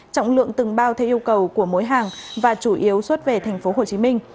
trọng lượng từng bao theo yêu cầu của mối hàng và chủ yếu xuất về tp hcm